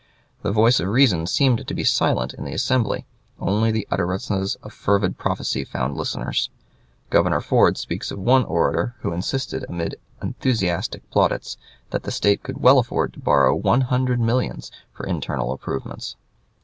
The voice of reason seemed to be silent in the Assembly; only the utterances of fervid prophecy found listeners. Governor Ford speaks of one orator who insisted, amid enthusiastic plaudits, that the State could well afford to borrow one hundred millions for internal improvements.